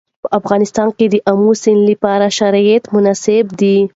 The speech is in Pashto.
په افغانستان کې د آمو سیند لپاره شرایط مناسب دي.